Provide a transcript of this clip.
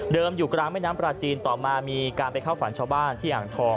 อยู่กลางแม่น้ำปลาจีนต่อมามีการไปเข้าฝันชาวบ้านที่อ่างทอง